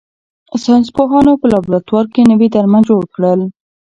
ساینس پوهانو په لابراتوار کې نوي درمل جوړ کړل.